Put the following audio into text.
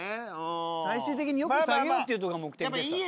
最終的によくしてあげようっていうとこが目的ですから。